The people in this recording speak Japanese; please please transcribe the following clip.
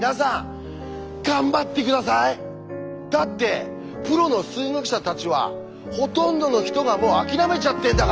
だってプロの数学者たちはほとんどの人がもう諦めちゃってんだから。